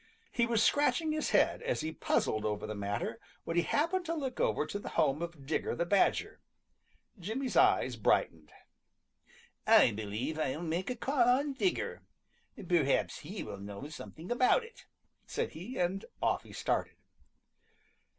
He was scratching his head as he puzzled over the matter when he happened to look over to the home of Digger the Badger. Jimmy's eyes brightened. "I believe I'll make a call on Digger. Perhaps he will know something about it," said he, and off he started.